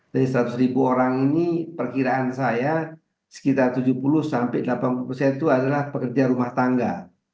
dari seratus ribu orang ini perkiraan saya sekitar tujuh puluh sampai delapan puluh persen itu adalah pekerja rumah tangga